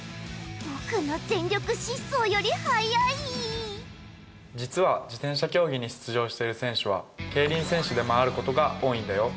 僕の全力疾走より速い実は自転車競技に出場している選手は競輪選手でもあることが多いんだよ